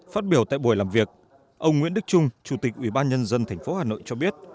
phát biểu tại buổi làm việc ông nguyễn đức trung chủ tịch ủy ban nhân dân tp hà nội cho biết